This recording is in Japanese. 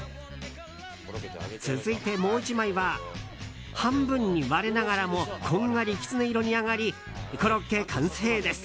続いて、もう１枚は半分に割れながらもこんがりキツネ色に揚がりコロッケ完成です。